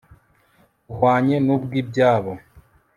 buhwanye n ubw ibyabo